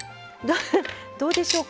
どうでしょうか。